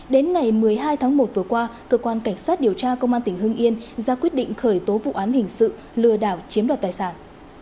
đến ngày một mươi hai tháng một vừa qua cơ quan cảnh sát điều tra công an tỉnh hưng yên ra quyết định khởi tố vụ án hình sự lừa đảo chiếm đoạt tài sản